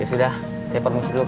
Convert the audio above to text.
ya sudah saya permisi dulu kak